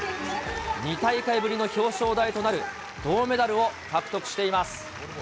２大会ぶりの表彰台となる銅メダルを獲得しています。